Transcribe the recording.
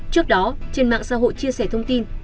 trước đó trên mạng xã hội chia sẻ thông tin